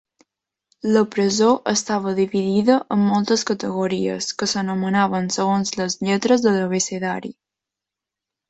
La presó estava dividida en moltes categories, que s'anomenaven segons les lletres de l'abecedari.